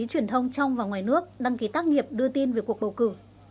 truyền thông trong và ngoài nước đăng ký tác nghiệp đưa tin về cuộc bầu cử